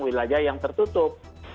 wilayah yang tertutup